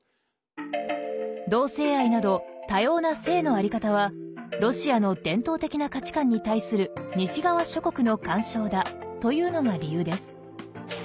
同性愛など多様な性の在り方はロシアの伝統的な価値観に対する西側諸国の干渉だというのが理由です。